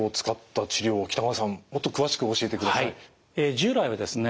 従来はですね